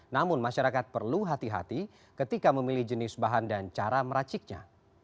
namun masyarakat perlu hati hati ketika memilih jenis bahan dan cara meraciknya